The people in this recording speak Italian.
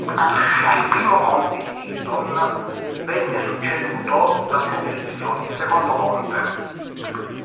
Il primo conte di Lytton venne succeduto da suo figlio, il secondo conte.